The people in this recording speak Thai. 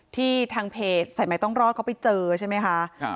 ที่ทางเพจใส่ไม้ต้องรอดเขาไปเจอใช่ไหมค่ะครับ